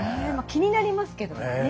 気になりますけどもね。